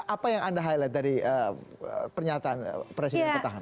apa yang anda highlight dari pernyataan presiden petahana